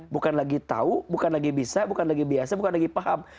bukan lagi tahu bukan lagi bisa bukan lagi biasa bukan lagi paham